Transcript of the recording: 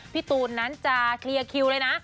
พี่ตูนนั้นจะเคลียร์คิวเลยนะ